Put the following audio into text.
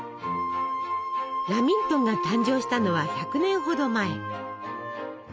ラミントンが誕生したのは１００年ほど前。